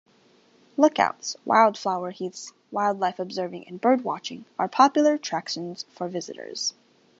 Lookouts, wildflower heaths, wildlife observing and birdwatching are popular attractions for visitors.